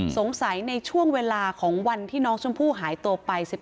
สงสัยในช่วงเวลาของวันที่น้องชมพู่หายตัวไป